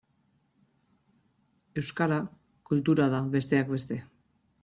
Euskara kultura da, besteak beste.